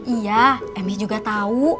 iya eme juga tau